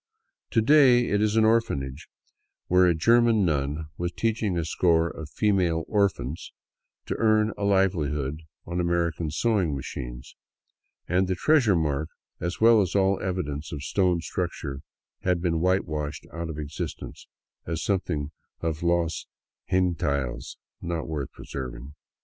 To day it is an orphanage, where a German nun was teach ing a score of female " orphans " to earn a livelihood on American sewing machines, and the treasure mark, as well as all evidence of stone structure, had been whitewashed out of existence, as something of " los Gentiles " not worth preserving.